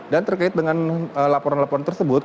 terkait dengan laporan laporan tersebut